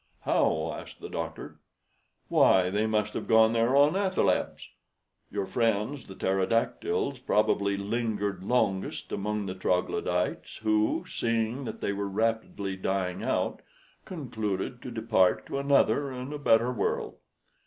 "How?" asked the doctor. "Why, they must have gone there on athalebs! Your friends the pterodactyls probably lingered longest among the Troglodytes, who, seeing that they were rapidly dying out, concluded to depart to another and a better world.